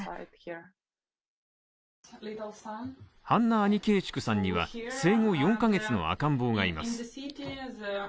ハンナ・アニケーチュクさんには生後４カ月の赤ん坊がいます。